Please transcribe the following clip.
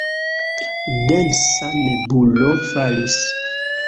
Densa nebulo falis.